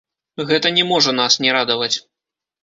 Гэта не можа нас не радаваць.